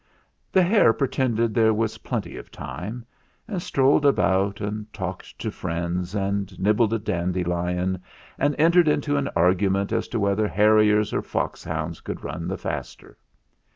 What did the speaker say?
"The hare pretended there was plenty of time, and strolled about, and talked to friends, and nibbled a dandelion, and entered into an argument as to whether harriers or foxhounds could run the faster.